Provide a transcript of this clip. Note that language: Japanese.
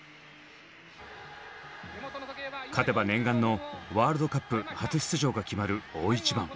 勝てば念願のワールドカップ初出場が決まる大一番。